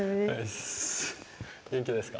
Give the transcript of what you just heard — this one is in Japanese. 元気ですか？